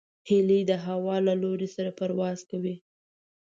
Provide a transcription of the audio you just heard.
هیلۍ د هوا له لور سره پرواز کوي